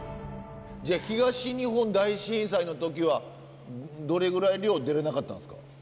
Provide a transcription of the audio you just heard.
じゃあ東日本大震災の時はどれぐらい漁出れなかったんですか？